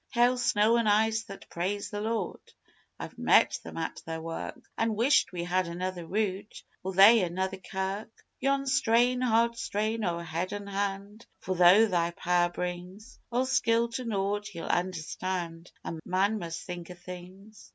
(Hail, snow an' ice that praise the Lord: I've met them at their work, An' wished we had anither route or they anither kirk.) Yon's strain, hard strain, o' head an' hand, for though Thy Power brings All skill to naught, Ye'll understand a man must think o' things.